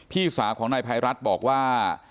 พี่สาวของนายภัยรัฐบอกว่า